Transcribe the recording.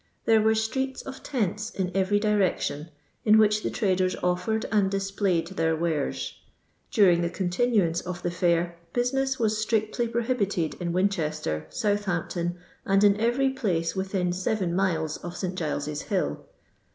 There were streets of tents in every direction, in which the traders offered and displayed their wares. Daring the con tinuance of the fair, busineu was strictly prohi bited in Winchester, Southampton, and in every pkce within seven miles of St. Giles's hill.